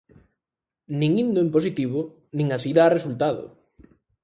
Nin indo en positivo, nin así dá resultado!